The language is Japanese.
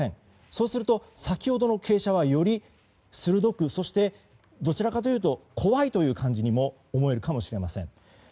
そうすると先ほどの傾斜はより鋭くそしてどちらかというと怖いという感じにも思えるかもしれません。